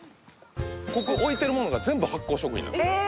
ここ置いてるものが全部発酵食品なんですよ